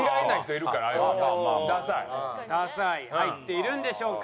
「ダサい」入っているんでしょうか？